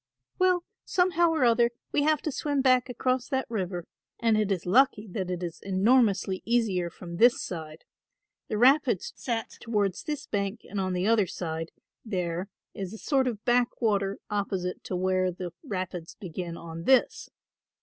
"Well, somehow or other we have to swim back across that river; and it is lucky that it is enormously easier from this side. The rapids set towards this bank and on the other side there is a sort of backwater opposite to where the rapids begin on this.